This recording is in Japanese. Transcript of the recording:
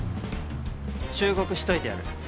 忠告しといてやる。